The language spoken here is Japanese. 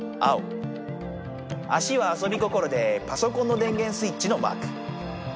足はあそび心でパソコンの電源スイッチのマーク。